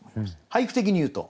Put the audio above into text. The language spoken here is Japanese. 俳句的に言うと。